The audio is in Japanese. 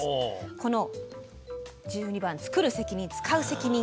この１２番「つくる責任つかう責任」。